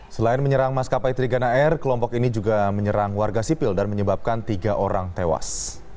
selain menyerang maskapai trigana air kelompok ini juga menyerang warga sipil dan menyebabkan tiga orang tewas